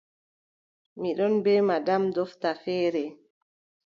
Mi ɗon bee madame dofta feere.